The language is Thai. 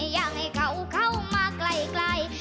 อยากให้เขาเข้ามาไกล